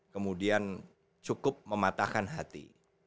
kemudian cukup mematahkan hati